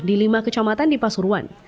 di lima kecamatan di pasuruan